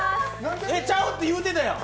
ちゃうって言うてたやん！